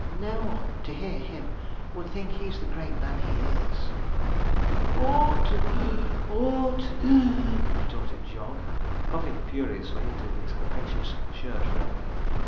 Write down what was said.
'No one, to hear him, would think he's the great man he is.' 'Ought (puff) ought (wheeze),' retorted Jog, puffing furiously into his capacious shirt frill.